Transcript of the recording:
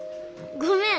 ごめん。